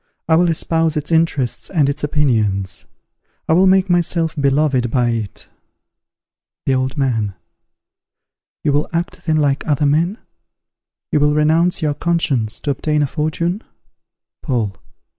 I will espouse its interests and its opinions: I will make myself beloved by it. The Old Man. You will act then like other men? you will renounce your conscience to obtain a fortune? _Paul.